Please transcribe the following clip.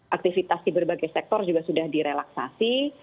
aktivitas di berbagai sektor juga sudah direlaksasi